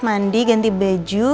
mandi ganti baju